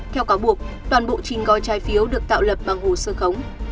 theo cáo buộc toàn bộ trình gói trái phiếu được tạo lập bằng hồ sơ khống